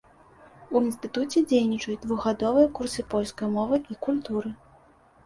У інстытуце дзейнічаюць двухгадовыя курсы польскай мовы і культуры.